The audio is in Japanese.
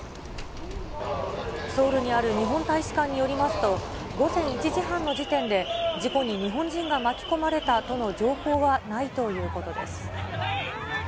ソウルにある日本大使館によりますと、午前１時半の時点で、事故に日本人が巻き込まれたとの情報はないということです。